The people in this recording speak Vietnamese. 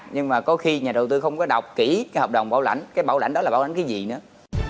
nhưng mà có khi nhà đầu tư không có đọc kỹ cái hợp đồng bảo lãnh cái bảo lãnh đó là bảo lãnh cái gì nữa